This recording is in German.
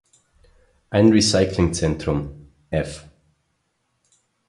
Ein Recyclingzentrum f